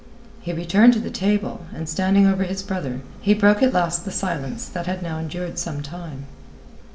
He returned to the table, and standing over his brother, he broke at last the silence that had now endured some time.